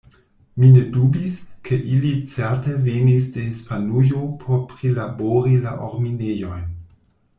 Mi ne dubis, ke ili certe venis de Hispanujo por prilabori la orminejojn.